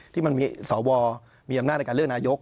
ที่มันมีสวมีอำนาจในการเลือกนายก